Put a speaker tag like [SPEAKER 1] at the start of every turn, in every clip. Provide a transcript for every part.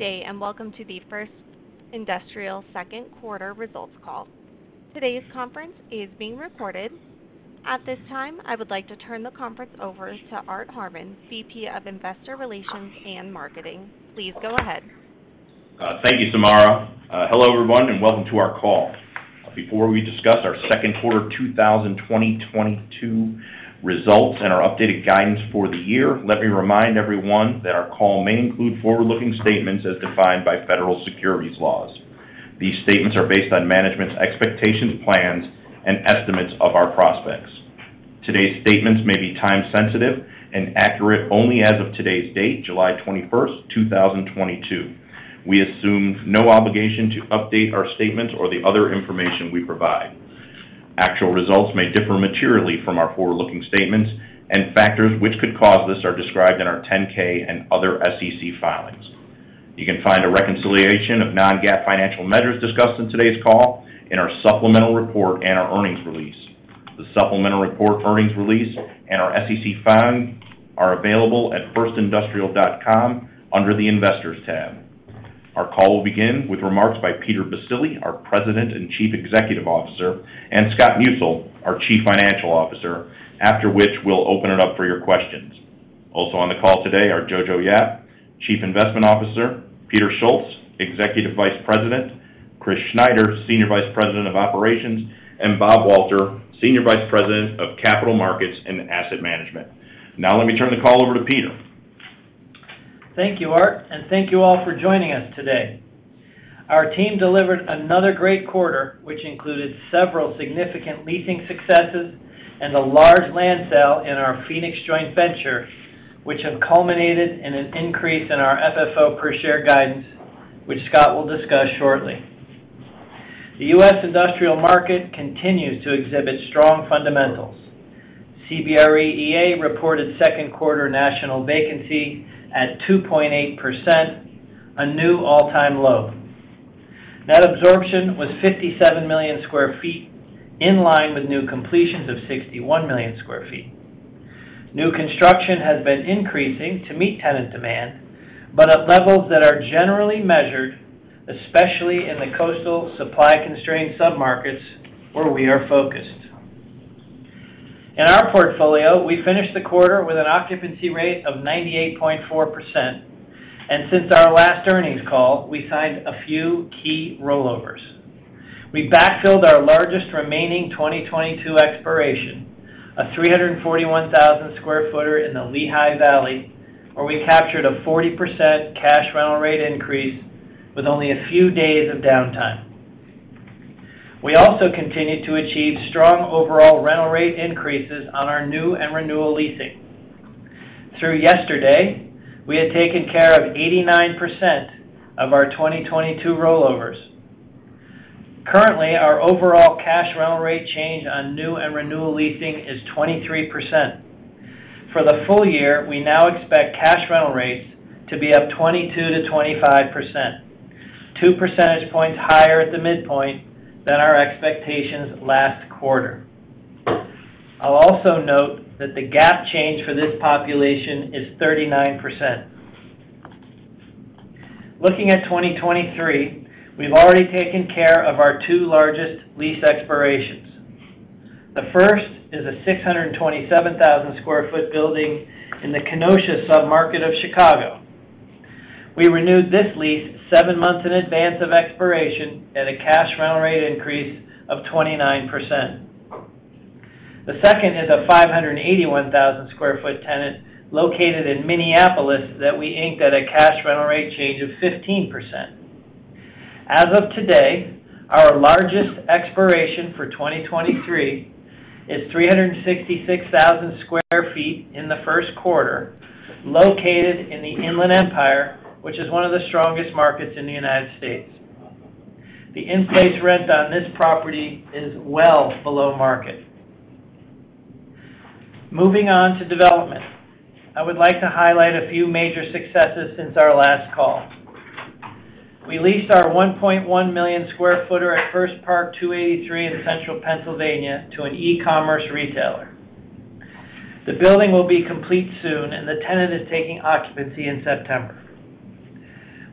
[SPEAKER 1] Good day, and welcome to the First Industrial Second Quarter Results Call. Today's conference is being recorded. At this time, I would like to turn the conference over to Art Harmon, VP of Investor Relations and Marketing. Please go ahead.
[SPEAKER 2] Thank you, Samara. Hello everyone, and welcome to our call. Before we discuss our second quarter 2022 results and our updated guidance for the year, let me remind everyone that our call may include forward-looking statements as defined by federal securities laws. These statements are based on management's expectations, plans, and estimates of our prospects. Today's statements may be time-sensitive and accurate only as of today's date, July 21st, 2022. We assume no obligation to update our statements or the other information we provide. Actual results may differ materially from our forward-looking statements and factors which could cause this are described in our 10-K and other SEC filings. You can find a reconciliation of non-GAAP financial measures discussed in today's call in our supplemental report and our earnings release. The supplemental report earnings release and our SEC filings are available at firstindustrial.com under the Investors tab. Our call will begin with remarks by Peter Baccile, our President and Chief Executive Officer, and Scott Musil, our Chief Financial Officer, after which we'll open it up for your questions. Also on the call today are Johannson Yap, Chief Investment Officer, Peter Schultz, Executive Vice President, Christopher Schneider, Senior Vice President of Operations, and Robert Walter, Senior Vice President of Capital Markets and Asset Management. Now let me turn the call over to Peter.
[SPEAKER 3] Thank you, Art, and thank you all for joining us today. Our team delivered another great quarter, which included several significant leasing successes and a large land sale in our Phoenix joint venture, which have culminated in an increase in our FFO per share guidance, which Scott will discuss shortly. The U.S. industrial market continues to exhibit strong fundamentals. CBRE EA reported second quarter national vacancy at 2.8%, a new all-time low. Net absorption was 57 million sq ft, in line with new completions of 61 million sq ft. New construction has been increasing to meet tenant demand, but at levels that are generally measured, especially in the coastal supply-constrained submarkets where we are focused. In our portfolio, we finished the quarter with an occupancy rate of 98.4%. Since our last earnings call, we signed a few key rollovers. We backfilled our largest remaining 2022 expiration, a 341,000 sq ft in the Lehigh Valley, where we captured a 40% cash rental rate increase with only a few days of downtime. We also continued to achieve strong overall rental rate increases on our new and renewal leasing. Through yesterday, we had taken care of 89% of our 2022 rollovers. Currently, our overall cash rental rate change on new and renewal leasing is 23%. For the full year, we now expect cash rental rates to be up 22%-25%, two percentage points higher at the midpoint than our expectations last quarter. I'll also note that the GAAP change for this population is 39%. Looking at 2023, we've already taken care of our two largest lease expirations. The first is a 627,000-sq ft building in the Kenosha submarket of Chicago. We renewed this lease seven months in advance of expiration at a cash rental rate increase of 29%. The second is a 581,000-sq ft tenant located in Minneapolis that we inked at a cash rental rate change of 15%. As of today, our largest expiration for 2023 is 366,000 sq ft in the first quarter, located in the Inland Empire, which is one of the strongest markets in the United States. The in-place rent on this property is well below market. Moving on to development. I would like to highlight a few major successes since our last call. We leased our 1.1 million sq ft at First Park 283 in Central Pennsylvania to an e-commerce retailer. The building will be complete soon, and the tenant is taking occupancy in September.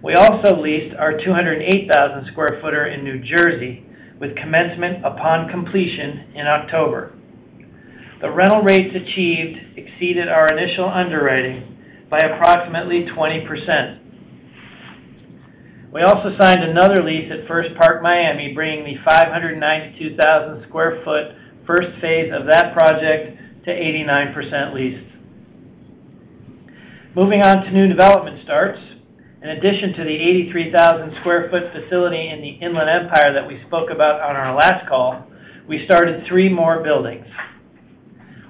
[SPEAKER 3] We also leased our 208,000 sq ft building in New Jersey with commencement upon completion in October. The rental rates achieved exceeded our initial underwriting by approximately 20%. We also signed another lease at First Park Miami, bringing the 592,000 sq ft first phase of that project to 89% leased. Moving on to new development starts. In addition to the 83,000 sq ft facility in the Inland Empire that we spoke about on our last call, we started three more buildings.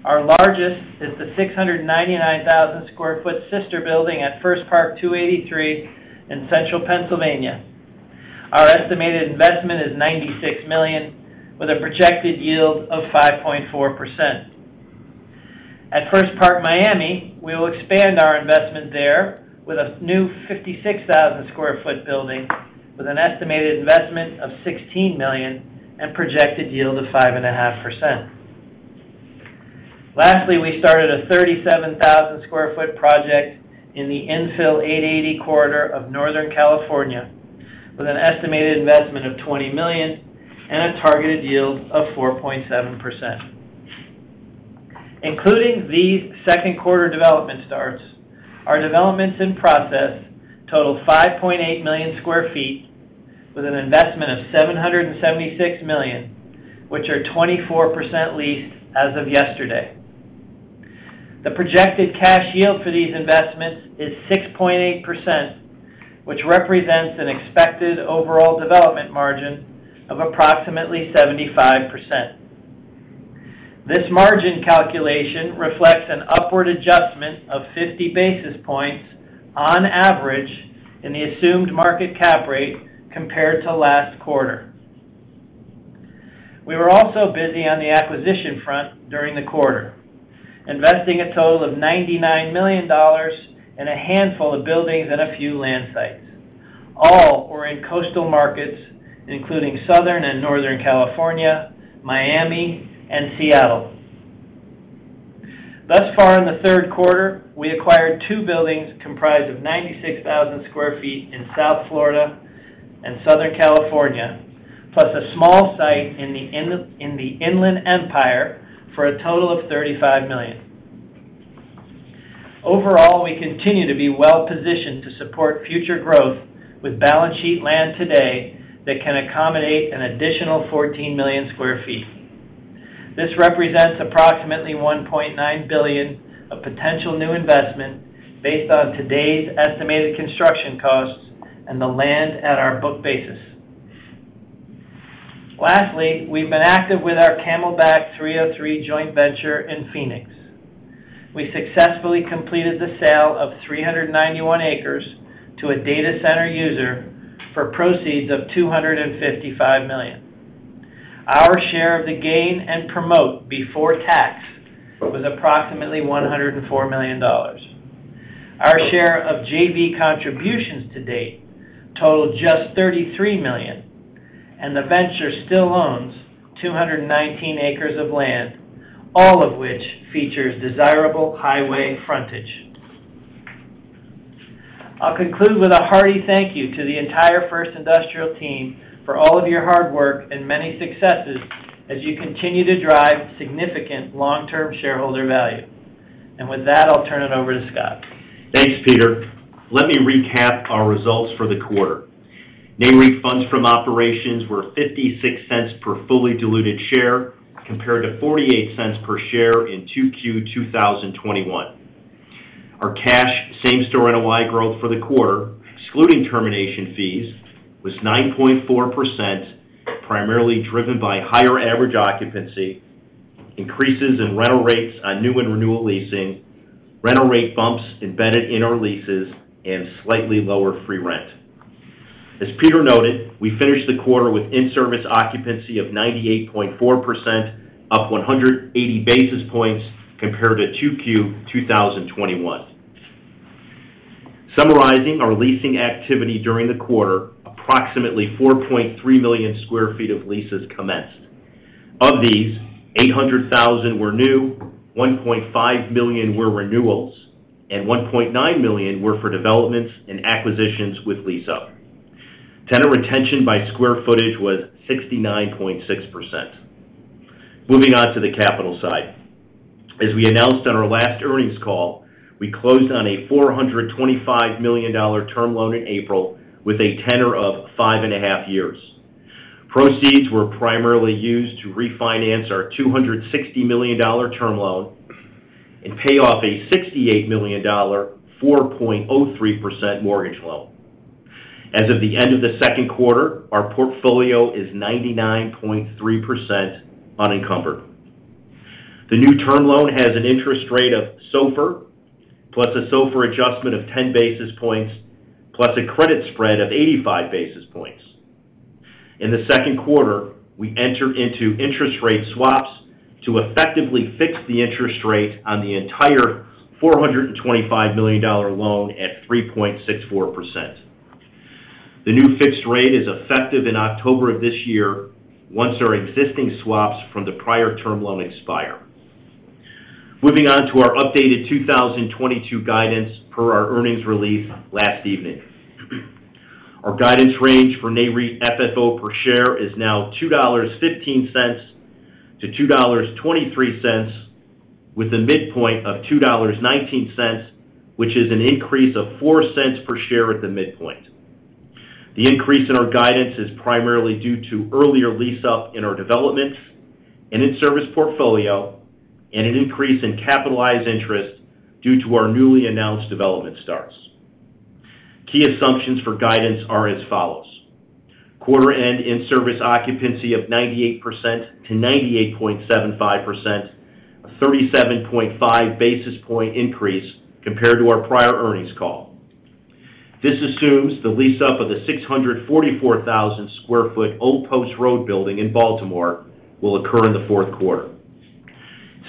[SPEAKER 3] Our largest is the 699,000 sq ft sister building at First Park 283 in Central Pennsylvania. Our estimated investment is $96 million, with a projected yield of 5.4%. At First Park Miami, we will expand our investment there with a new 56,000 sq ft building with an estimated investment of $16 million and projected yield of 5.5%. Lastly, we started a 37,000 sq ft project in the infill I-80 corridor of Northern California with an estimated investment of $20 million and a targeted yield of 4.7%. Including these second quarter development starts, our developments in process total 5.8 million sq ft with an investment of $776 million, which are 24% leased as of yesterday. The projected cash yield for these investments is 6.8%, which represents an expected overall development margin of approximately 75%. This margin calculation reflects an upward adjustment of 50 basis points on average in the assumed market cap rate compared to last quarter. We were also busy on the acquisition front during the quarter, investing a total of $99 million in a handful of buildings and a few land sites. All were in coastal markets, including Southern and Northern California, Miami, and Seattle. Thus far in the third quarter, we acquired two buildings comprised of 96,000 sq ft in South Florida and Southern California, plus a small site in the Inland Empire for a total of $35 million. Overall, we continue to be well positioned to support future growth with balance sheet land today that can accommodate an additional 14 million sq ft. This represents approximately $1.9 billion of potential new investment based on today's estimated construction costs and the land at our book basis. Lastly, we've been active with our Camelback 303 joint venture in Phoenix. We successfully completed the sale of 391 acres to a data center user for proceeds of $255 million. Our share of the gain and promote before tax was approximately $104 million. Our share of JV contributions to date totaled just $33 million, and the venture still owns 219 acres of land, all of which features desirable highway frontage. I'll conclude with a hearty thank you to the entire First Industrial team for all of your hard work and many successes as you continue to drive significant long-term shareholder value. With that, I'll turn it over to Scott.
[SPEAKER 4] Thanks, Peter. Let me recap our results for the quarter. NAREIT funds from operations were $0.56 per fully diluted share compared to $0.48 per share in 2Q 2021. Our cash same-store NOI growth for the quarter, excluding termination fees, was 9.4%, primarily driven by higher average occupancy, increases in rental rates on new and renewal leasing, rental rate bumps embedded in our leases, and slightly lower free rent. As Peter noted, we finished the quarter with in-service occupancy of 98.4%, up 180 basis points compared to 2Q 2021. Summarizing our leasing activity during the quarter, approximately 4.3 million sq ft of leases commenced. Of these, 800,000 were new, 1.5 million were renewals, and 1.9 million were for developments and acquisitions with lease up. Tenant retention by square footage was 69.6%. Moving on to the capital side. As we announced on our last earnings call, we closed on a $425 million term loan in April with a tenor of five and a half years. Proceeds were primarily used to refinance our $260 million term loan and pay off a $68 million, 4.03% mortgage loan. As of the end of the second quarter, our portfolio is 99.3% unencumbered. The new term loan has an interest rate of SOFR, plus a SOFR adjustment of 10 basis points, plus a credit spread of 85 basis points. In the second quarter, we entered into interest rate swaps to effectively fix the interest rate on the entire $425 million loan at 3.64%. The new fixed rate is effective in October of this year, once our existing swaps from the prior term loan expire. Moving on to our updated 2022 guidance per our earnings release last evening. Our guidance range for NAREIT FFO per share is now $2.15 to $2.23, with a midpoint of $2.19, which is an increase of $0.04 per share at the midpoint. The increase in our guidance is primarily due to earlier lease up in our developments and in-service portfolio and an increase in capitalized interest due to our newly announced development starts. Key assumptions for guidance are as follows. Quarter end in-service occupancy of 98% to 98.75%, a 37.5 basis point increase compared to our prior earnings call. This assumes the lease up of the 644,000 sq ft Old Post Road building in Baltimore will occur in the fourth quarter.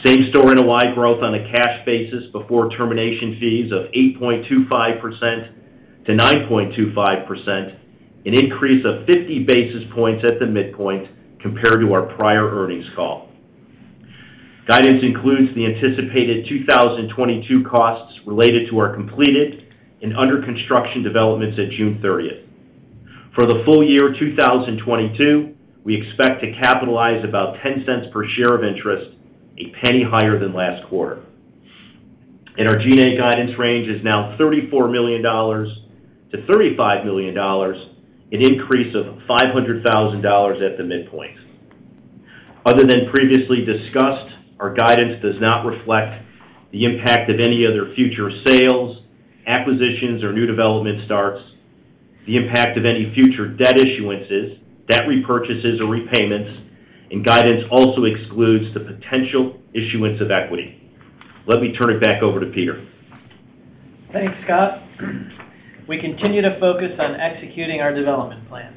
[SPEAKER 4] Same store NOI growth on a cash basis before termination fees of 8.25%-9.25%, an increase of 50 basis points at the midpoint compared to our prior earnings call. Guidance includes the anticipated 2022 costs related to our completed and under construction developments at June thirtieth. For the full year 2022, we expect to capitalize about $0.10 per share of interest, $0.01 higher than last quarter. Our G&A guidance range is now $34 million-$35 million, an increase of $500,000 at the midpoint. Other than previously discussed, our guidance does not reflect the impact of any other future sales, acquisitions or new development starts, the impact of any future debt issuances, debt repurchases or repayments, and guidance also excludes the potential issuance of equity. Let me turn it back over to Peter.
[SPEAKER 3] Thanks, Scott. We continue to focus on executing our development plan.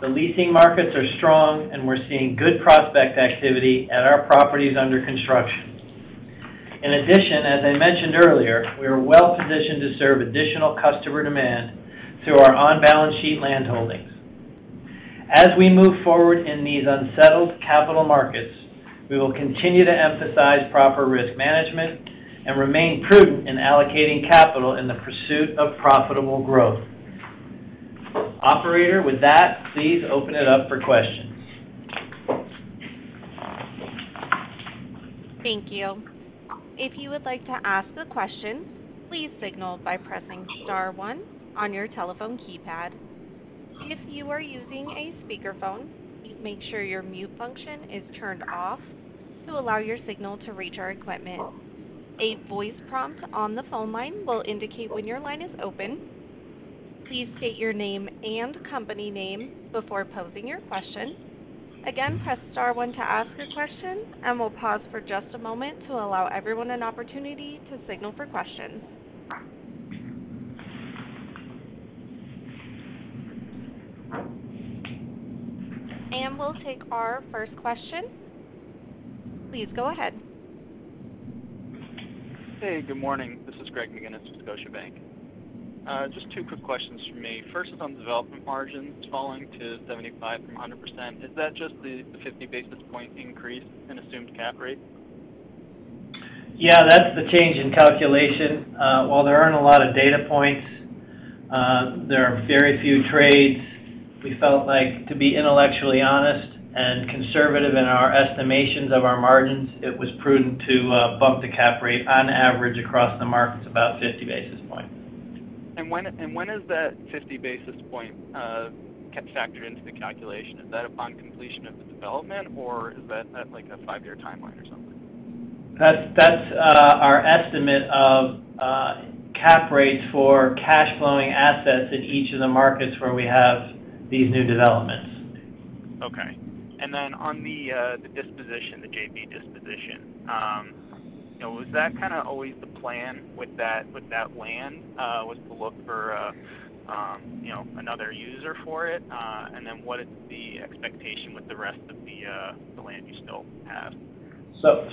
[SPEAKER 3] The leasing markets are strong, and we're seeing good prospect activity at our properties under construction. In addition, as I mentioned earlier, we are well-positioned to serve additional customer demand through our on-balance sheet land holdings. As we move forward in these unsettled capital markets, we will continue to emphasize proper risk management and remain prudent in allocating capital in the pursuit of profitable growth. Operator, with that, please open it up for questions.
[SPEAKER 1] Thank you. If you would like to ask the question, please signal by pressing star one on your telephone keypad. If you are using a speakerphone, please make sure your mute function is turned off to allow your signal to reach our equipment. A voice prompt on the phone line will indicate when your line is open. Please state your name and company name before posing your question. Again, press star one to ask a question, and we'll pause for just a moment to allow everyone an opportunity to signal for questions. We'll take our first question. Please go ahead.
[SPEAKER 5] Hey, good morning. This is Greg McGinniss with Scotiabank. Just two quick questions from me. First is on the development margins falling to 75% from 100%. Is that just the 50 basis point increase in assumed cap rate?
[SPEAKER 3] Yeah, that's the change in calculation. While there aren't a lot of data points, there are very few trades. We felt like to be intellectually honest and conservative in our estimations of our margins, it was prudent to bump the cap rate on average across the markets about 50 basis points.
[SPEAKER 5] When is that 50 basis point kept factored into the calculation? Is that upon completion of the development, or is that at, like, a five-year timeline or something?
[SPEAKER 3] That's our estimate of cap rates for cash flowing assets in each of the markets where we have these new developments.
[SPEAKER 5] Okay. On the disposition, the JV disposition, you know, was that kind of always the plan with that land, was to look for, you know, another user for it? What is the expectation with the rest of the land you still have?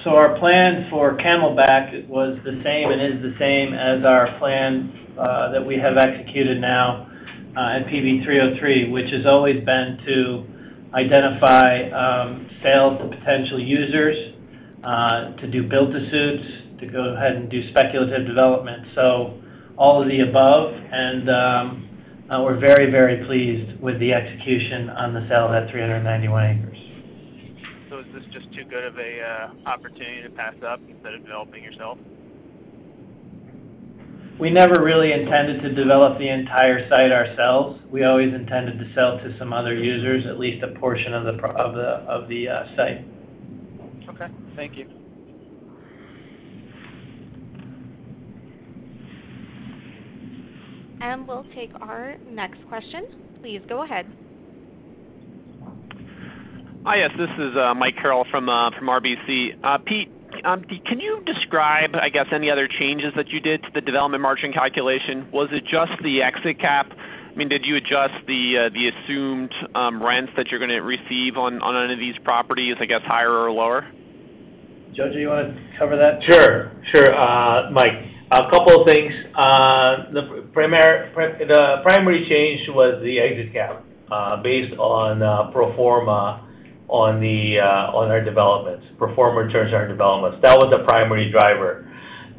[SPEAKER 3] Our plan for Camelback was the same and is the same as our plan that we have executed now at PV 303, which has always been to identify sales to potential users, to do build to suits, to go ahead and do speculative development. All of the above, and we're very, very pleased with the execution on the sale of that 391 acres.
[SPEAKER 5] Is this just too good of a opportunity to pass up instead of developing yourself?
[SPEAKER 3] We never really intended to develop the entire site ourselves. We always intended to sell to some other users at least a portion of the site.
[SPEAKER 5] Okay, thank you.
[SPEAKER 1] We'll take our next question. Please go ahead.
[SPEAKER 6] Hi. Yes, this is Mike Carroll from RBC. Pete, can you describe, I guess, any other changes that you did to the development margin calculation? Was it just the exit cap? I mean, did you adjust the assumed rents that you're gonna receive on any of these properties, I guess, higher or lower?
[SPEAKER 3] Jojo, do you wanna cover that?
[SPEAKER 7] Sure. Mike, a couple of things. The primary change was the exit cap, based on pro forma on our developments, pro forma in terms of our developments. That was the primary driver.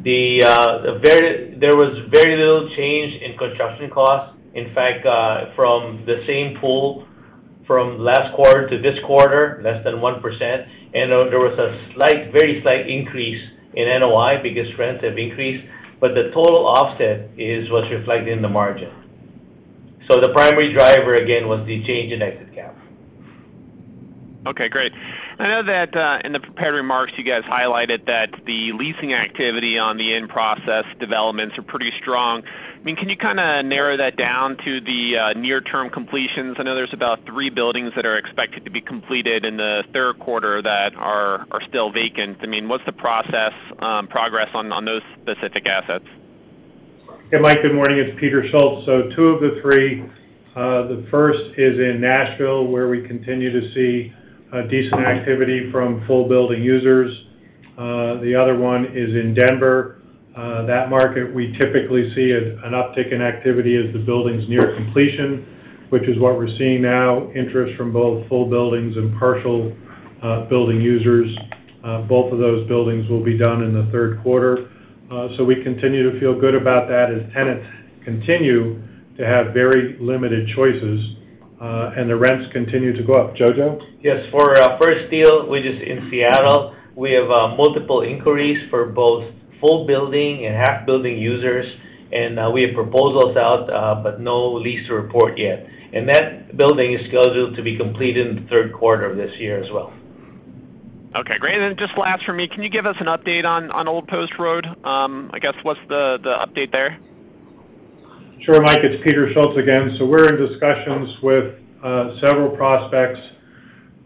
[SPEAKER 7] There was very little change in construction costs. In fact, from the same pool from last quarter to this quarter, less than 1%. There was a slight, very slight increase in NOI because rents have increased, but the total offset is what's reflected in the margin. The primary driver again was the change in exit cap.
[SPEAKER 6] Okay, great. I know that in the prepared remarks, you guys highlighted that the leasing activity on the in-process developments are pretty strong. I mean, can you kinda narrow that down to the near-term completions? I know there's about three buildings that are expected to be completed in the third quarter that are still vacant. I mean, what's the progress on those specific assets?
[SPEAKER 8] Yeah, Mike, good morning. It's Peter Schultz. Two of the three, the first is in Nashville, where we continue to see decent activity from full building users. The other one is in Denver. That market, we typically see an uptick in activity as the building's near completion, which is what we're seeing now, interest from both full buildings and partial building users. Both of those buildings will be done in the third quarter. We continue to feel good about that as tenants continue to have very limited choices, and the rents continue to go up. Jojo?
[SPEAKER 7] Yes. For our First Steele, which is in Seattle, we have multiple inquiries for both full building and half building users. We have proposals out, but no lease to report yet. That building is scheduled to be completed in the third quarter of this year as well.
[SPEAKER 6] Okay, great. Just last for me, can you give us an update on Old Post Road? I guess, what's the update there?
[SPEAKER 8] Sure, Mike, it's Peter Schultz again. We're in discussions with several prospects.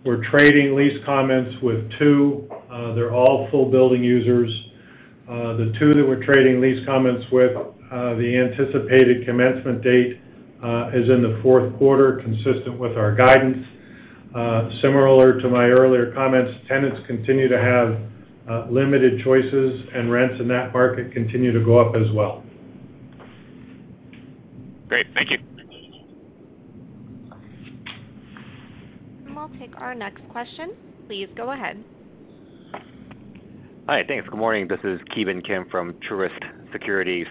[SPEAKER 8] We're trading lease comments with two. They're all full building users. The two that we're trading lease comments with, the anticipated commencement date is in the fourth quarter, consistent with our guidance. Similar to my earlier comments, tenants continue to have limited choices, and rents in that market continue to go up as well.
[SPEAKER 6] Great. Thank you.
[SPEAKER 1] We'll take our next question. Please go ahead.
[SPEAKER 9] Hi. Thanks. Good morning. This is Ki Bin Kim from Truist Securities.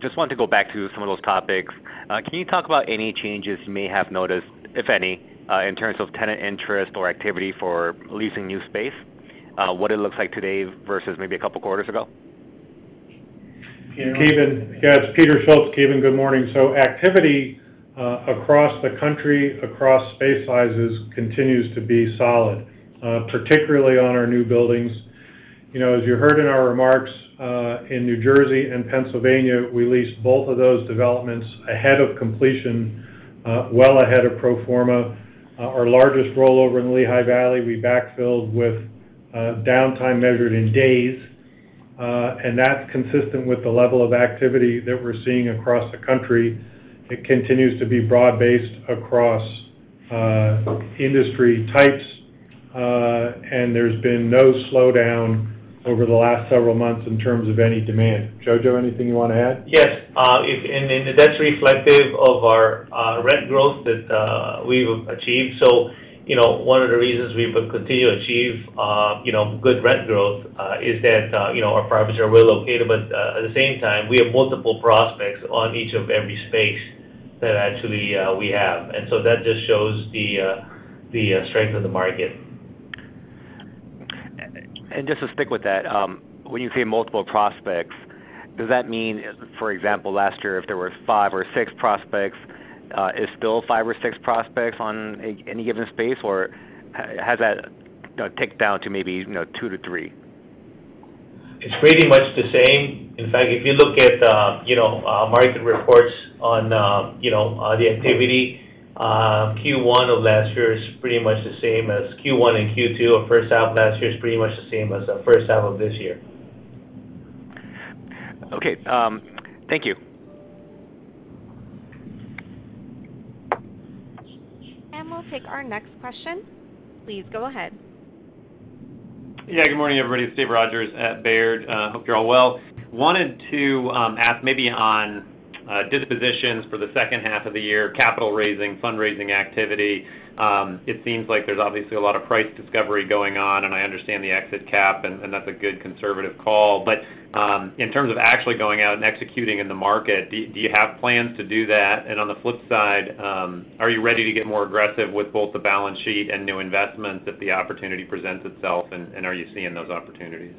[SPEAKER 9] Just wanted to go back to some of those topics. Can you talk about any changes you may have noticed, if any, in terms of tenant interest or activity for leasing new space, what it looks like today versus maybe a couple quarters ago?
[SPEAKER 8] KI Bin
[SPEAKER 7] Yeah.
[SPEAKER 8] Yes. Peter Schultz, Ki Bin. Good morning. Activity across the country, across space sizes continues to be solid, particularly on our new buildings. You know, as you heard in our remarks, in New Jersey and Pennsylvania, we leased both of those developments ahead of completion, well ahead of pro forma. Our largest rollover in Lehigh Valley, we backfilled with downtime measured in days, and that's consistent with the level of activity that we're seeing across the country. It continues to be broad-based across industry types, and there's been no slowdown over the last several months in terms of any demand. Jojo Yap, anything you wanna add?
[SPEAKER 7] Yes. That's reflective of our rent growth that we've achieved. You know, one of the reasons we've continued to achieve, you know, good rent growth is that, you know, our properties are well located. At the same time, we have multiple prospects on each of every space that actually we have. That just shows the strength of the market.
[SPEAKER 9] Just to stick with that, when you say multiple prospects, does that mean, for example, last year, if there were five or six prospects, it's still five or six prospects on any given space? Or has that, you know, ticked down to maybe, you know, two to three?
[SPEAKER 7] It's pretty much the same. In fact, if you look at, you know, market reports on, you know, on the activity, Q1 of last year is pretty much the same as Q1 and Q2 of first half last year is pretty much the same as the first half of this year.
[SPEAKER 9] Okay. Thank you.
[SPEAKER 1] We'll take our next question. Please go ahead.
[SPEAKER 10] Yeah. Good morning, everybody. It's Dave Rodgers at Baird. Hope you're all well. Wanted to ask maybe on dispositions for the second half of the year, capital raising, fundraising activity. It seems like there's obviously a lot of price discovery going on, and I understand the exit cap, and that's a good conservative call. In terms of actually going out and executing in the market, do you have plans to do that? On the flip side, are you ready to get more aggressive with both the balance sheet and new investments if the opportunity presents itself, and are you seeing those opportunities?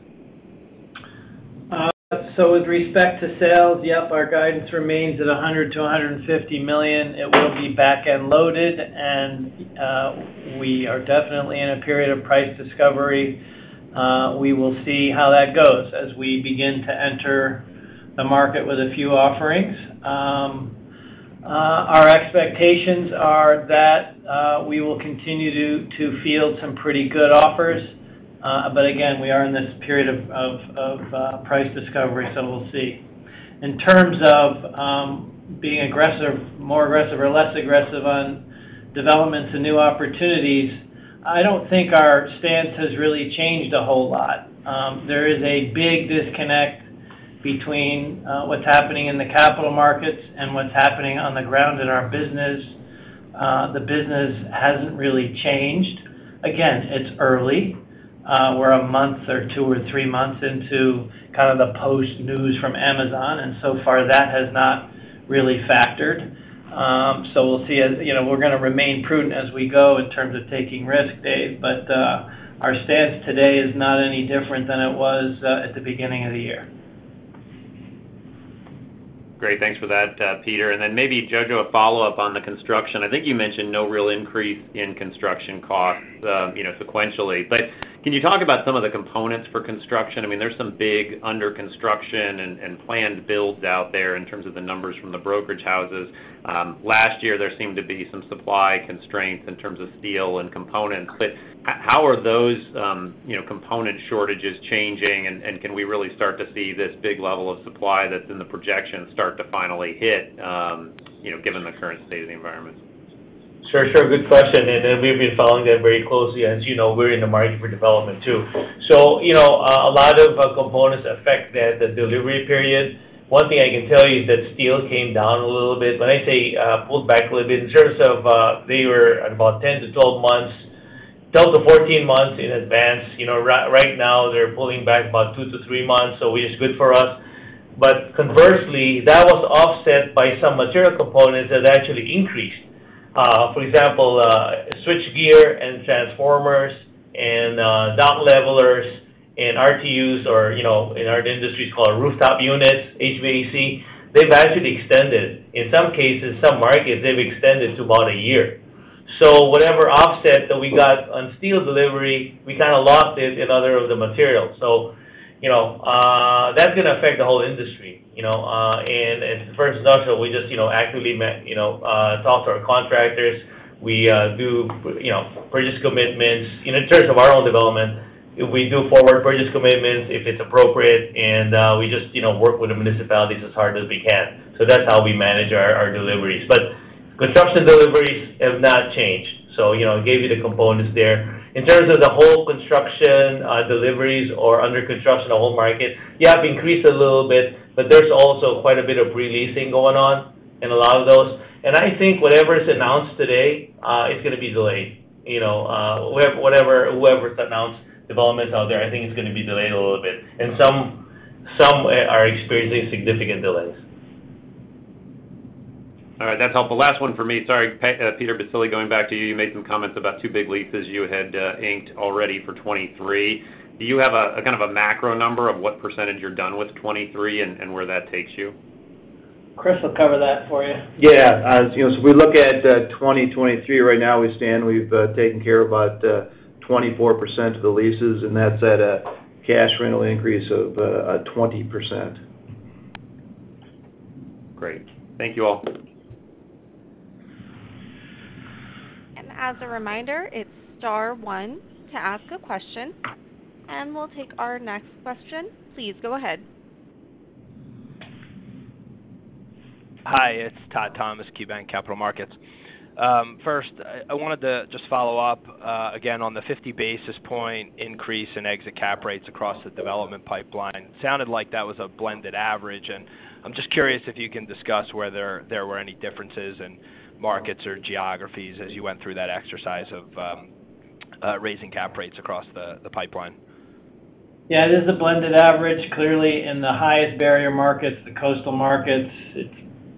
[SPEAKER 3] So with respect to sales, yep, our guidance remains at $100 million-$150 million. It will be back-end loaded, and we are definitely in a period of price discovery. We will see how that goes as we begin to enter the market with a few offerings. Our expectations are that we will continue to field some pretty good offers. But again, we are in this period of price discovery, so we'll see. In terms of being aggressive, more aggressive or less aggressive on developments and new opportunities, I don't think our stance has really changed a whole lot. There is a big disconnect between what's happening in the capital markets and what's happening on the ground in our business. The business hasn't really changed. Again, it's early. We're a month or two or three months into kind of the post-news from Amazon, and so far, that has not really factored. We'll see, you know, we're gonna remain prudent as we go in terms of taking risk, Dave. Our stance today is not any different than it was at the beginning of the year.
[SPEAKER 10] Great. Thanks for that, Peter. Maybe, Jojo, a follow-up on the construction. I think you mentioned no real increase in construction costs, you know, sequentially. Can you talk about some of the components for construction? I mean, there's some big under construction and planned builds out there in terms of the numbers from the brokerage houses. Last year, there seemed to be some supply constraints in terms of steel and components. How are those, you know, component shortages changing? Can we really start to see this big level of supply that's in the projection start to finally hit, you know, given the current state of the environment?
[SPEAKER 7] Sure, sure. Good question. We've been following that very closely. As you know, we're in the market for development too. You know, a lot of components affect the delivery period. One thing I can tell you is that steel came down a little bit. When I say pulled back a little bit, in terms of they were at about 10-12 months, 12-14 months in advance. You know, right now they're pulling back about two to three months, so it is good for us. Conversely, that was offset by some material components that actually increased. For example, switchgear and transformers and dock levelers and RTUs or, you know, in our industry, it's called rooftop units, HVAC. They've actually extended. In some cases, some markets, they've extended to about a year. Whatever offset that we got on steel delivery, we kinda lost it in other of the materials. You know, that's gonna affect the whole industry, you know. As for industrial, we just you know actively talk to our contractors. We do you know purchase commitments. In terms of our own development, we do forward purchase commitments if it's appropriate, and we just you know work with the municipalities as hard as we can. That's how we manage our deliveries. Construction deliveries have not changed. You know, I gave you the components there. In terms of the whole construction deliveries or under construction, the whole market, yeah, have increased a little bit, but there's also quite a bit of re-leasing going on in a lot of those. I think whatever is announced today is gonna be delayed. You know, whoever announced developments out there, I think it's gonna be delayed a little bit. Some are experiencing significant delays.
[SPEAKER 10] All right. That's helpful. Last one for me. Sorry. Peter Baccile, going back to you made some comments about two big leases you had, inked already for 2023. Do you have a kind of a macro number of what percentage you're done with 2023 and where that takes you?
[SPEAKER 3] Chris will cover that for you.
[SPEAKER 11] Yeah. As you know, we look at 2023. Right now we've taken care of about 24% of the leases, and that's at a cash rental increase of 20%.
[SPEAKER 10] Great. Thank you all.
[SPEAKER 1] As a reminder, it's star one to ask a question. We'll take our next question. Please go ahead.
[SPEAKER 12] Hi, it's Todd Thomas, KeyBanc Capital Markets. First, I wanted to just follow up again on the 50 basis point increase in exit cap rates across the development pipeline. Sounded like that was a blended average, and I'm just curious if you can discuss whether there were any differences in markets or geographies as you went through that exercise of raising cap rates across the pipeline.
[SPEAKER 3] Yeah, it is a blended average. Clearly, in the highest barrier markets, the coastal markets, it's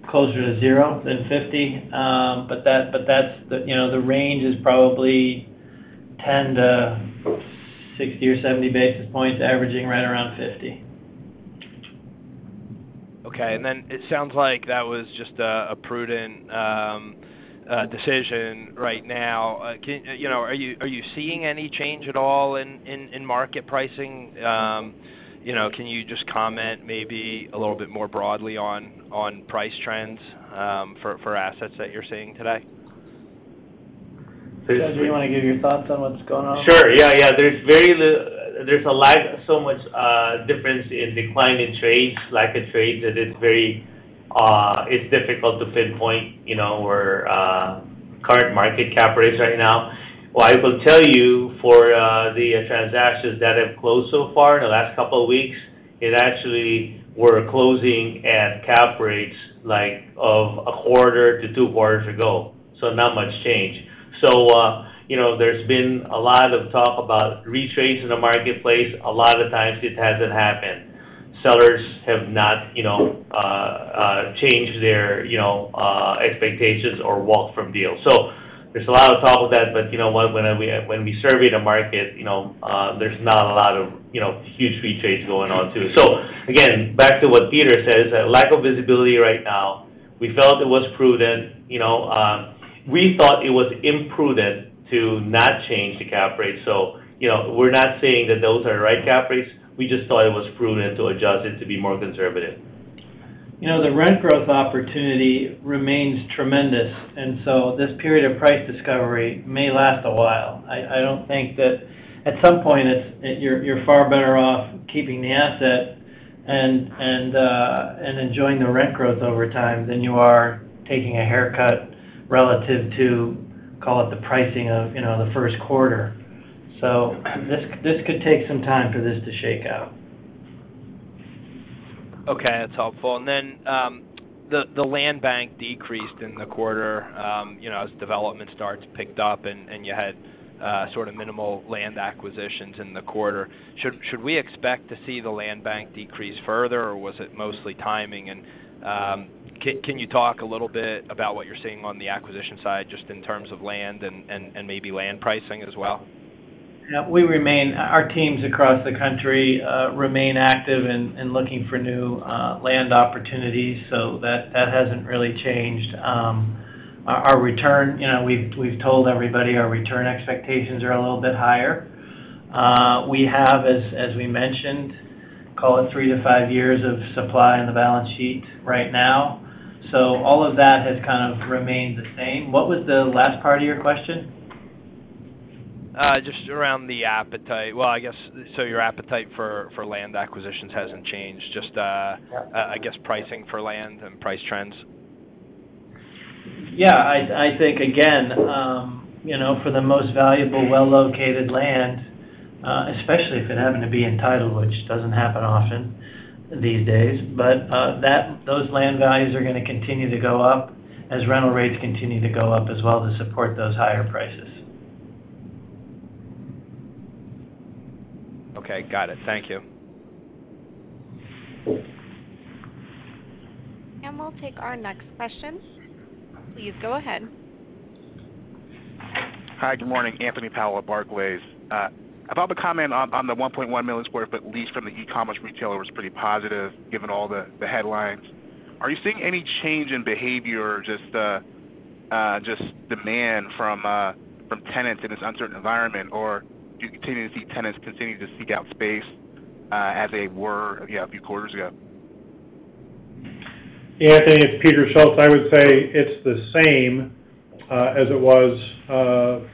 [SPEAKER 3] closer to zero than 50. But that's you know, the range is probably 10-60 or 70 basis points, averaging right around 50.
[SPEAKER 12] Okay. It sounds like that was just a prudent decision right now. You know, are you seeing any change at all in market pricing? You know, can you just comment maybe a little bit more broadly on price trends for assets that you're seeing today?
[SPEAKER 3] Jojo, do you wanna give your thoughts on what's going on?
[SPEAKER 7] Sure. Yeah, yeah. There's a lag, so much difference in decline in trades, lack of trades, that it's very difficult to pinpoint, you know, our current market cap rates right now. What I will tell you for the transactions that have closed so far in the last couple of weeks, it actually we're closing at cap rates like of a quarter to two quarters ago, so not much change. You know, there's been a lot of talk about retrace in the marketplace. A lot of the times it hasn't happened. Sellers have not, you know, changed their, you know, expectations or walked from deals. There's a lot of talk of that. But you know what? When we survey the market, you know, there's not a lot of, you know, huge retraces going on too. Again, back to what Peter says, that lack of visibility right now, we felt it was prudent, you know. We thought it was imprudent to not change the cap rate. You know, we're not saying that those are right cap rates. We just thought it was prudent to adjust it to be more conservative.
[SPEAKER 3] You know, the rent growth opportunity remains tremendous, and so this period of price discovery may last a while. I don't think that. At some point, you're far better off keeping the asset and enjoying the rent growth over time than you are taking a haircut relative to, call it, the pricing of, you know, the first quarter. This could take some time for this to shake out.
[SPEAKER 12] Okay. That's helpful. Then, the land bank decreased in the quarter, you know, as development starts picked up and you had sort of minimal land acquisitions in the quarter. Should we expect to see the land bank decrease further, or was it mostly timing? Can you talk a little bit about what you're seeing on the acquisition side, just in terms of land and maybe land pricing as well?
[SPEAKER 3] Yeah. Our teams across the country remain active in looking for new land opportunities, so that hasn't really changed. Our return, you know, we've told everybody our return expectations are a little bit higher. We have, as we mentioned, call it three to five years of supply in the balance sheet right now. So all of that has kind of remained the same. What was the last part of your question?
[SPEAKER 12] Just around the appetite. Well, I guess, so your appetite for land acquisitions hasn't changed, just, I guess pricing for land and price trends.
[SPEAKER 3] Yeah. I think again, you know, for the most valuable, well-located land, especially if it happened to be entitled, which doesn't happen often these days, but, those land values are gonna continue to go up as rental rates continue to go up as well to support those higher prices.
[SPEAKER 12] Okay. Got it. Thank you.
[SPEAKER 1] We'll take our next question. Please go ahead.
[SPEAKER 13] Hi, good morning. Anthony Powell at Barclays. About the comment on the 1.1 million sq ft lease from the e-commerce retailer was pretty positive given all the headlines. Are you seeing any change in behavior or just demand from tenants in this uncertain environment? Or do you continue to see tenants continue to seek out space as they were, you know, a few quarters ago?
[SPEAKER 8] Yeah, Anthony, it's Peter Schultz. I would say it's the same as it was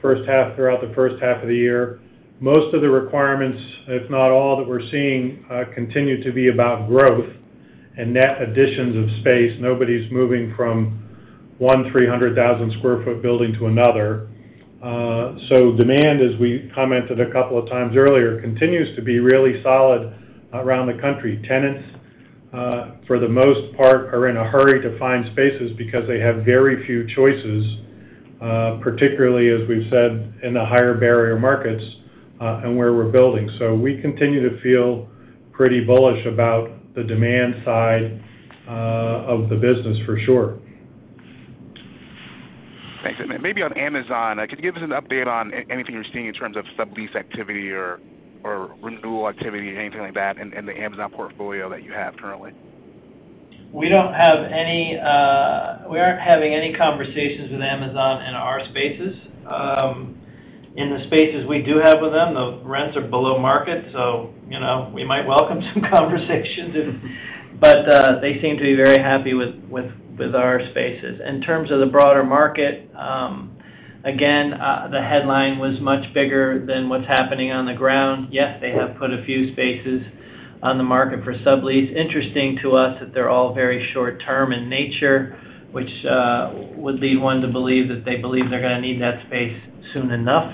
[SPEAKER 8] throughout the first half of the year. Most of the requirements, if not all, that we're seeing continue to be about growth and net additions of space. Nobody's moving from one 300,000 sq ft building to another. So demand, as we commented a couple of times earlier, continues to be really solid around the country. Tenants, for the most part, are in a hurry to find spaces because they have very few choices, particularly as we've said in the higher barrier markets and where we're building. So we continue to feel pretty bullish about the demand side of the business for sure.
[SPEAKER 13] Thanks. Maybe on Amazon, could you give us an update on anything you're seeing in terms of sublease activity or renewal activity, anything like that in the Amazon portfolio that you have currently?
[SPEAKER 3] We aren't having any conversations with Amazon in our spaces. In the spaces we do have with them, the rents are below market, so, you know, we might welcome some conversations if. They seem to be very happy with our spaces. In terms of the broader market, again, the headline was much bigger than what's happening on the ground. Yes, they have put a few spaces on the market for sublease. Interesting to us that they're all very short term in nature, which would lead one to believe that they believe they're gonna need that space soon enough,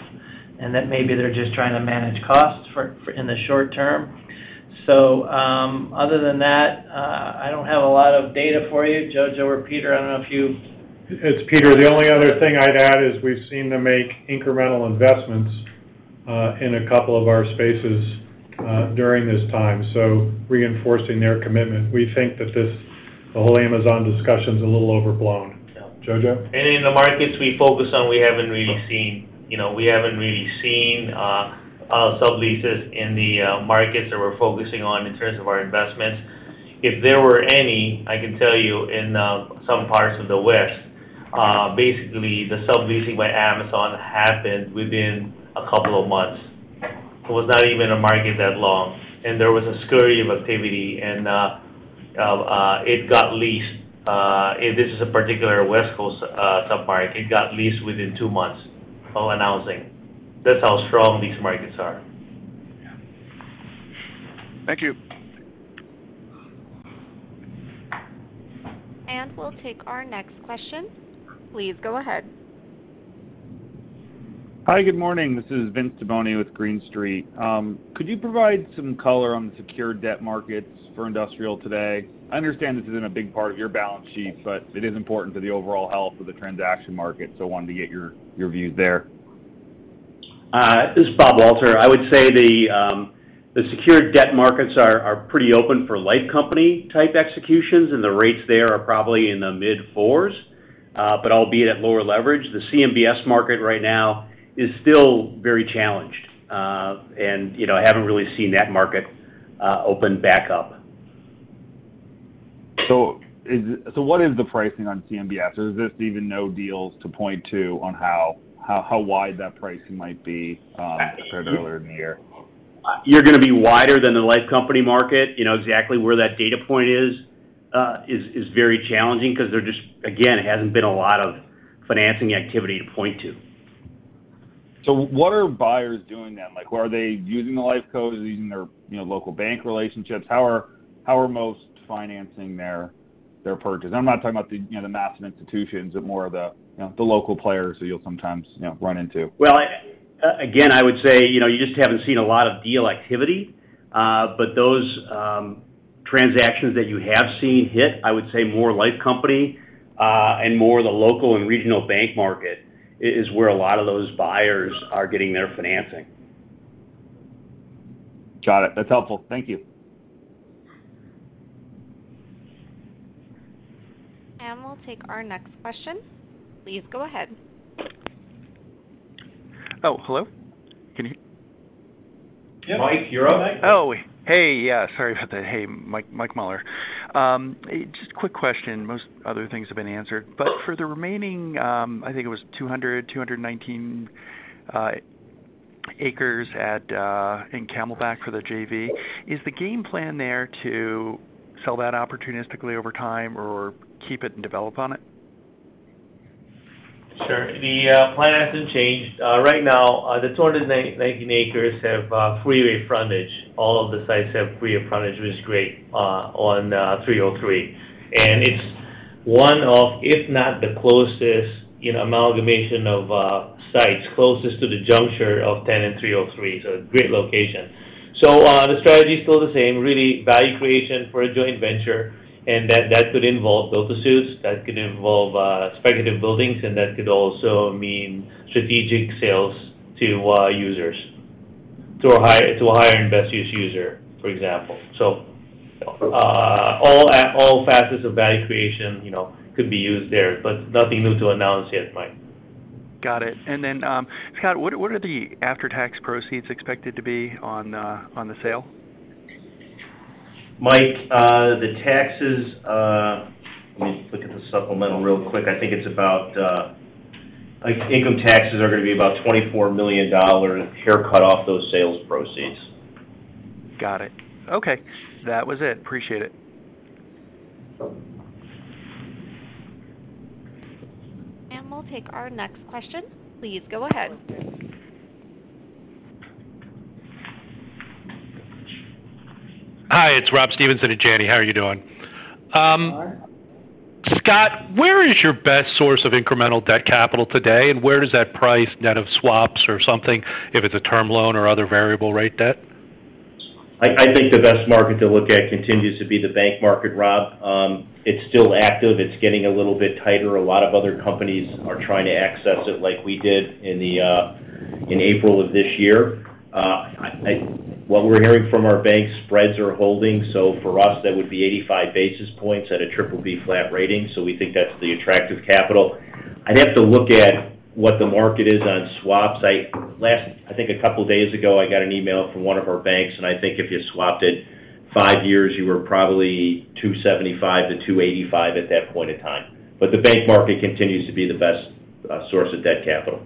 [SPEAKER 3] and that maybe they're just trying to manage costs in the short term. Other than that, I don't have a lot of data for you. Jojo or Peter, I don't know if you.
[SPEAKER 8] It's Peter. The only other thing I'd add is we've seen them make incremental investments in a couple of our spaces during this time, so reinforcing their commitment. We think that this, the whole Amazon discussion's a little overblown.
[SPEAKER 3] Yeah.
[SPEAKER 8] Jojo?
[SPEAKER 7] In the markets we focus on, we haven't really seen, you know, subleases in the markets that we're focusing on in terms of our investments. If there were any, I can tell you in some parts of the West, basically the subleasing by Amazon happened within a couple of months. It was not even on the market that long, and there was a scurry of activity and it got leased. This is a particular West Coast sub-market. It got leased within two months of announcing. That's how strong these markets are.
[SPEAKER 3] Yeah.
[SPEAKER 13] Thank you.
[SPEAKER 1] We'll take our next question. Please go ahead.
[SPEAKER 14] Hi, good morning. This is Vince Tibone with Green Street. Could you provide some color on the secured debt markets for industrial today? I understand this isn't a big part of your balance sheet, but it is important to the overall health of the transaction market. Wanted to get your views there.
[SPEAKER 15] This is Bob Walter. I would say the secured debt markets are pretty open for life company type executions, and the rates there are probably in the mid-fours, but albeit at lower leverage. The CMBS market right now is still very challenged. You know, I haven't really seen that market open back up.
[SPEAKER 14] What is the pricing on CMBS? Is there even any deals to point to on how wide that pricing might be, compared to earlier in the year?
[SPEAKER 15] You're gonna be wider than the life company market. You know, exactly where that data point is is very challenging because there just again, it hasn't been a lot of financing activity to point to.
[SPEAKER 14] What are buyers doing then? Like, are they using the life co? Are they using their, you know, local bank relationships? How are most financing their purchase? I'm not talking about the, you know, the massive institutions, but more of the, you know, the local players that you'll sometimes, you know, run into.
[SPEAKER 15] Well, again, I would say, you know, you just haven't seen a lot of deal activity. Those transactions that you have seen hit, I would say more life company, and more the local and regional bank market is where a lot of those buyers are getting their financing.
[SPEAKER 14] Got it. That's helpful. Thank you.
[SPEAKER 1] We'll take our next question. Please go ahead.
[SPEAKER 16] Oh, hello? Can you hear?
[SPEAKER 3] Mike, you're on, Mike.
[SPEAKER 16] Oh, hey. Yeah, sorry about that. Hey, Mike Mueller. Just a quick question. Most other things have been answered. For the remaining, I think it was 219 acres in Camelback for the JV, is the game plan there to sell that opportunistically over time or keep it and develop on it?
[SPEAKER 3] Sure. The plan hasn't changed. Right now, the 219 acres have freeway frontage. All of the sites have freeway frontage, which is great, on 303. It's one of, if not the closest in amalgamation of sites closest to the junction of 10 and 303, so great location. The strategy is still the same, really value creation for a joint venture, and that could involve build-to-suits, that could involve speculative buildings, and that could also mean strategic sales to users, to a highest and best use user, for example. All facets of value creation, you know, could be used there, but nothing new to announce yet, Mike.
[SPEAKER 16] Got it. Scott, what are the after-tax proceeds expected to be on the sale?
[SPEAKER 4] Mike, the taxes, let me look at the supplemental real quick. I think it's about income taxes are gonna be about $24 million haircut off those sales proceeds.
[SPEAKER 16] Got it. Okay. That was it. Appreciate it.
[SPEAKER 1] We'll take our next question. Please go ahead.
[SPEAKER 17] Hi, it's Rob Stevenson at Janney. How are you doing?
[SPEAKER 3] Hi.
[SPEAKER 17] Scott, where is your best source of incremental debt capital today? Where does that price net of swaps or something, if it's a term loan or other variable rate debt?
[SPEAKER 4] I think the best market to look at continues to be the bank market, Rob. It's still active. It's getting a little bit tighter. A lot of other companies are trying to access it like we did in April of this year. What we're hearing from our banks, spreads are holding. So for us, that would be 85 basis points at a BBB flat rating. So we think that's the attractive capital. I'd have to look at what the market is on swaps. I think a couple of days ago, I got an email from one of our banks, and I think if you swapped it five years, you were probably 2.75-2.85 at that point in time. The bank market continues to be the best source of debt capital.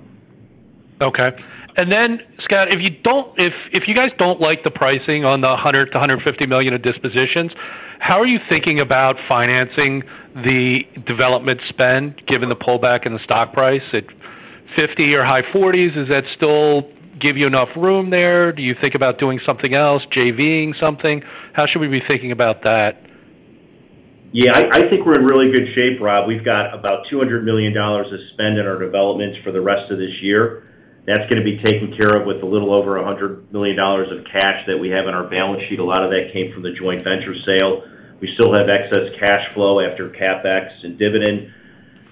[SPEAKER 17] Okay. Scott, if you guys don't like the pricing on the $100 million-$150 million of dispositions, how are you thinking about financing the development spend given the pullback in the stock price? At $50 or high $40s, does that still give you enough room there? Do you think about doing something else, JV-ing something? How should we be thinking about that?
[SPEAKER 4] Yeah. I think we're in really good shape, Rob. We've got about $200 million to spend in our developments for the rest of this year. That's gonna be taken care of with a little over $100 million of cash that we have in our balance sheet. A lot of that came from the joint venture sale. We still have excess cash flow after CapEx and dividend.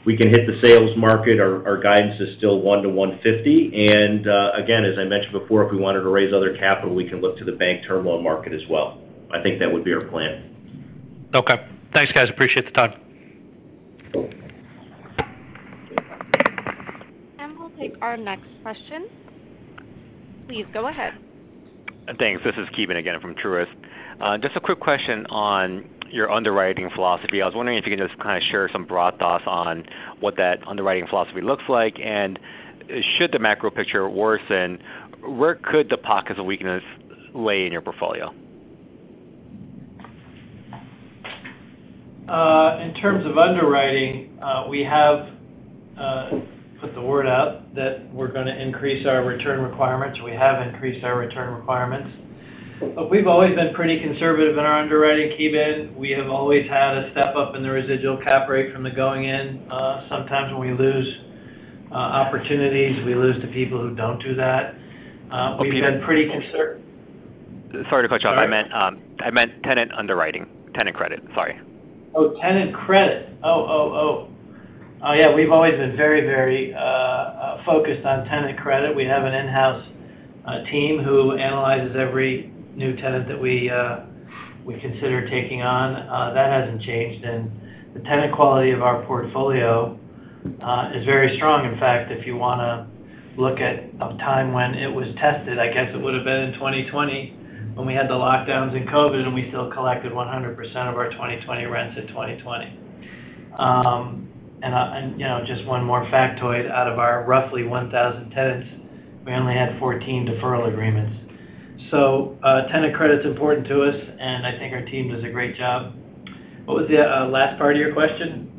[SPEAKER 4] We can hit the sales market. Our guidance is still $101-$150. Again, as I mentioned before, if we wanted to raise other capital, we can look to the bank term loan market as well. I think that would be our plan.
[SPEAKER 17] Okay. Thanks, guys. Appreciate the time.
[SPEAKER 1] We'll take our next question. Please go ahead.
[SPEAKER 9] Thanks. This is Ki Bin again from Truist. Just a quick question on your underwriting philosophy. I was wondering if you can just kind of share some broad thoughts on what that underwriting philosophy looks like. Should the macro picture worsen, where could the pockets of weakness lay in your portfolio?
[SPEAKER 3] In terms of underwriting, we have put the word out that we're gonna increase our return requirements. We have increased our return requirements. We've always been pretty conservative in our underwriting, Ki Bin. We have always had a step up in the residual cap rate from the going in. Sometimes when we lose opportunities, we lose to people who don't do that. We've been pretty conser-
[SPEAKER 9] Sorry to cut you off.
[SPEAKER 3] Sorry.
[SPEAKER 9] I meant tenant underwriting, tenant credit. Sorry.
[SPEAKER 3] Yeah, we've always been very focused on tenant credit. We have an in-house team who analyzes every new tenant that we consider taking on. That hasn't changed. The tenant quality of our portfolio is very strong. In fact, if you wanna look at a time when it was tested, I guess it would have been in 2020 when we had the lockdowns in COVID, and we still collected 100% of our 2020 rents in 2020. You know, just one more factoid out of our roughly 1,000 tenants, we only had 14 deferral agreements. Tenant credit is important to us, and I think our team does a great job. What was the last part of your question?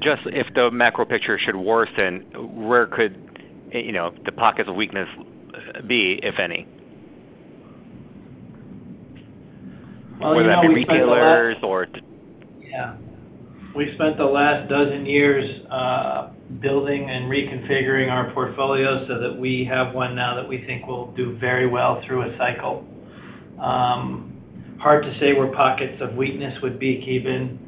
[SPEAKER 9] Just if the macro picture should worsen, where could, you know, the pockets of weakness be, if any?
[SPEAKER 3] Well, you know, we've spent the last.
[SPEAKER 9] Whether that be retailers or
[SPEAKER 3] Yeah. We've spent the last 12 years building and reconfiguring our portfolio so that we have one now that we think will do very well through a cycle. Hard to say where pockets of weakness would be, Ki Bin.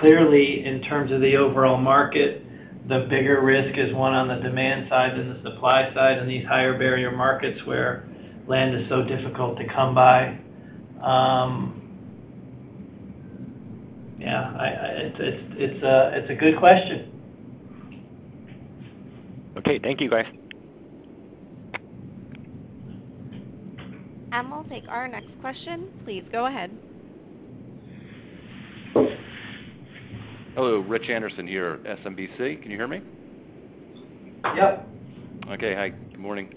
[SPEAKER 3] Clearly, in terms of the overall market, the bigger risk is one on the demand side than the supply side in these higher barrier markets where land is so difficult to come by. It's a good question.
[SPEAKER 9] Okay. Thank you, guys.
[SPEAKER 1] We'll take our next question. Please go ahead.
[SPEAKER 18] Hello. Richard Anderson here at SMBC. Can you hear me?
[SPEAKER 3] Yep.
[SPEAKER 18] Okay. Hi, good morning.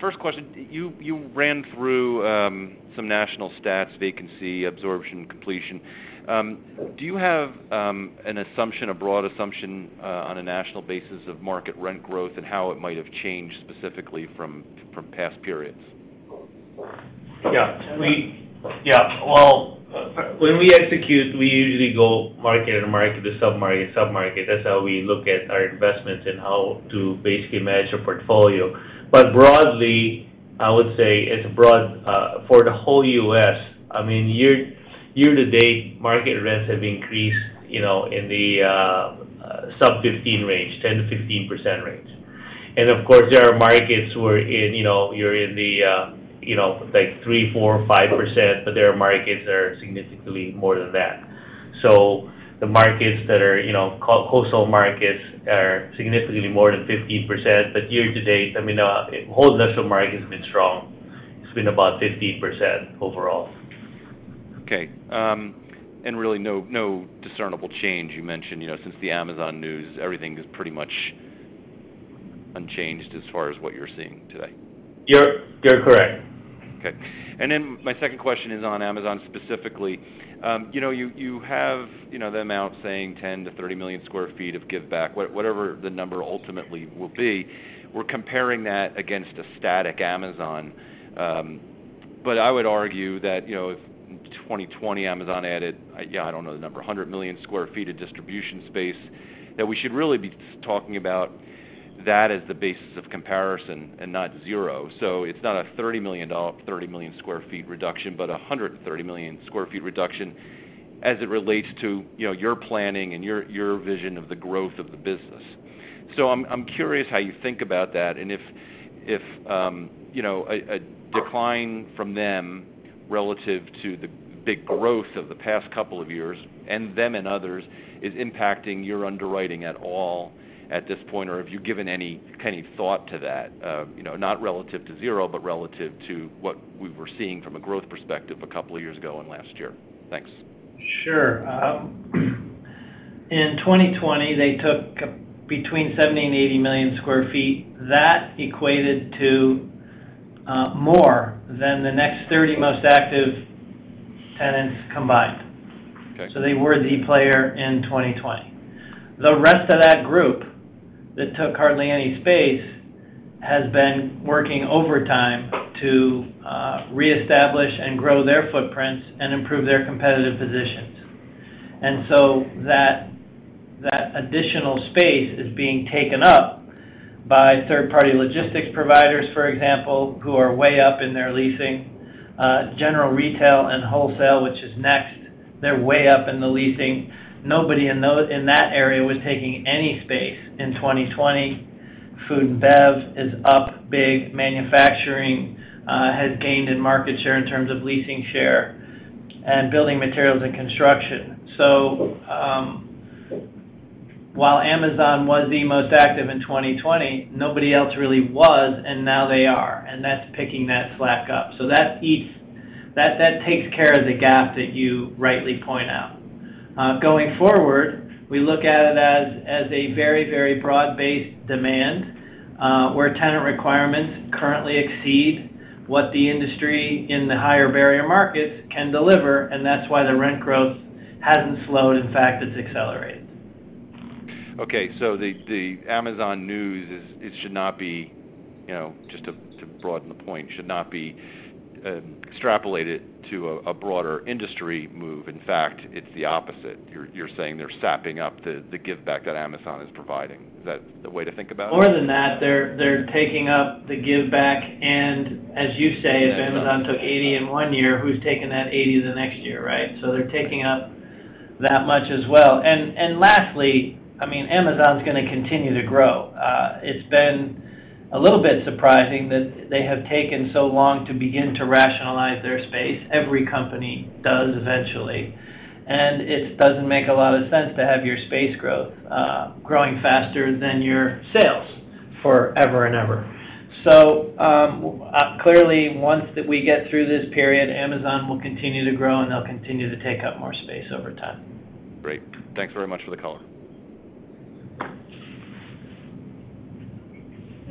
[SPEAKER 18] First question, you ran through some national stats, vacancy, absorption, completion. Do you have an assumption, a broad assumption, on a national basis of market rent growth and how it might have changed specifically from past periods?
[SPEAKER 3] Well, when we execute, we usually go market to market, sub-market to sub-market. That's how we look at our investments and how to basically manage a portfolio. Broadly, I would say for the whole U.S., I mean, year to date, market rents have increased, you know, in the sub-15 range, 10%-15% range. Of course, there are markets where, you know, you're in the, you know, like 3%, 4%, 5%, but there are markets that are significantly more than that. The markets that are, you know, coastal markets are significantly more than 15%. Year-to-date, I mean, the whole industrial market has been strong. It's been about 15% overall.
[SPEAKER 18] Okay. Really, no discernible change. You mentioned, you know, since the Amazon news, everything is pretty much unchanged as far as what you're seeing today.
[SPEAKER 3] You're correct.
[SPEAKER 18] Okay. My second question is on Amazon specifically. You know, you have the amount saying 10-30 million sq ft of give back. Whatever the number ultimately will be, we're comparing that against a static Amazon. But I would argue that, you know, if 2020, Amazon added, yeah, I don't know the number, 100 million sq ft of distribution space, that we should really be talking about that as the basis of comparison and not zero. It's not a 30 million sq ft reduction, but a 130 million sq ft reduction as it relates to, you know, your planning and your vision of the growth of the business. I'm curious how you think about that. If you know a decline from them relative to the big growth of the past couple of years, and them and others, is impacting your underwriting at all at this point, or have you given any thought to that? You know, not relative to zero, but relative to what we were seeing from a growth perspective a couple of years ago and last year. Thanks.
[SPEAKER 3] Sure. In 2020, they took between 70 and 80 million sq ft. That equated to more than the next 30 most active tenants combined.
[SPEAKER 18] Okay.
[SPEAKER 3] They were the player in 2020. The rest of that group that took hardly any space has been working overtime to reestablish and grow their footprints and improve their competitive positions. That additional space is being taken up by third-party logistics providers, for example, who are way up in their leasing, general retail and wholesale, which is next. They're way up in the leasing. Nobody in that area was taking any space in 2020. Food and bev is up big. Manufacturing has gained in market share in terms of leasing share and building materials and construction. While Amazon was the most active in 2020, nobody else really was, and now they are. That's picking that slack up. That takes care of the gap that you rightly point out. Going forward, we look at it as a very, very broad-based demand, where tenant requirements currently exceed what the industry in the higher barrier markets can deliver, and that's why the rent growth hasn't slowed. In fact, it's accelerated.
[SPEAKER 18] Okay. The Amazon news is it should not be, you know, just to broaden the point, should not be extrapolated to a broader industry move. In fact, it's the opposite. You're saying they're snapping up the give back that Amazon is providing. Is that the way to think about it?
[SPEAKER 3] More than that. They're taking up the give back, and as you say.
[SPEAKER 18] Yeah.
[SPEAKER 3] If Amazon took 80 in one year, who's taking that 80 the next year, right? They're taking up that much as well. Lastly, I mean, Amazon's gonna continue to grow. It's been a little bit surprising that they have taken so long to begin to rationalize their space. Every company does eventually. It doesn't make a lot of sense to have your space growth growing faster than your sales forever and ever. Clearly, once that we get through this period, Amazon will continue to grow and they'll continue to take up more space over time.
[SPEAKER 18] Great. Thanks very much for the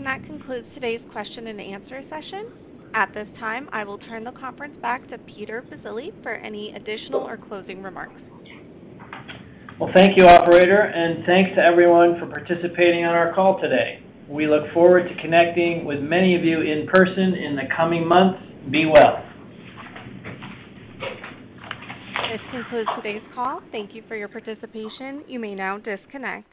[SPEAKER 18] color.
[SPEAKER 1] That concludes today's question-and-answer session. At this time, I will turn the conference back to Peter Baccile for any additional or closing remarks.
[SPEAKER 3] Well, thank you, operator, and thanks to everyone for participating on our call today. We look forward to connecting with many of you in person in the coming months. Be well.
[SPEAKER 1] This concludes today's call. Thank you for your participation. You may now disconnect.